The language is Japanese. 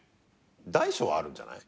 大小はあるんじゃない？